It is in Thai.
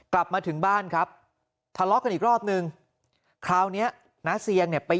กลับมาถึงบ้านครับทะเลาะกันอีกรอบนึงคราวนี้น้าเซียงเนี่ยไป